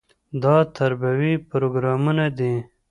دا تربیوي پروګرامونه دي.